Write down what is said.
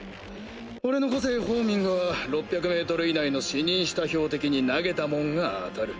俺の個性ホーミングは６００メートル以内の視認した標的に投げたもんが当たる。